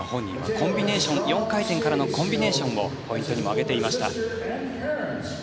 本人も４回転からのコンビネーションをポイントにも挙げていました。